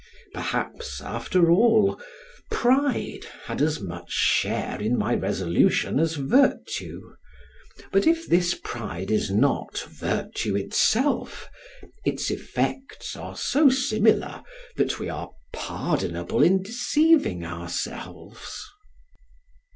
Perhaps, after all, pride had as much share in my resolution as virtue; but if this pride is not virtue itself, its effects are so similar that we are pardonable in deceiving ourselves.